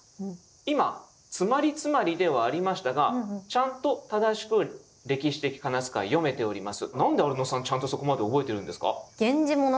今詰まり詰まりではありましたがちゃんと正しく歴史的仮名遣い読めております。